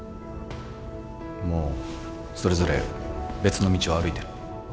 もうそれぞれ別の道を歩いてる。